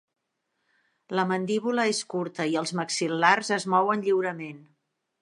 La mandíbula és curta, i els maxil·lars es mouen lliurement.